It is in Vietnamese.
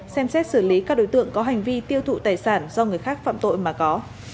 xem xét xử lý các đối tượng có hành vi tiêu thụ tài sản do người khác phạm tội mà có